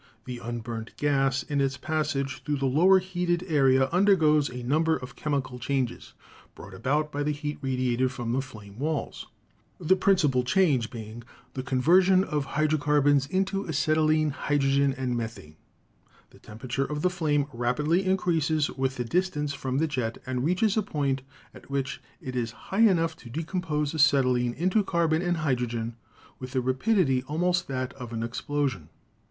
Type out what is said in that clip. The unburnt gas in its pas sage through the lower heated area undergoes a number of chemical changes, brought about by the heat radiated from the flame walls; the principal change being the con version of hydrocarbons into acetylene, hydrogen and methane. The temperature of the flame rapidly increases with the distance from the jet, and reaches a point at which it is high enough to decompose acetylene into car bon and hydrogen with a rapidity almost that of an ex plosion.